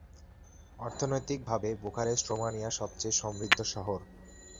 অর্থনৈতিকভাবে, বুখারেস্ট রোমানিয়ার সবচেয়ে সমৃদ্ধ শহর।